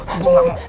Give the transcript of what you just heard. gue juga gak mau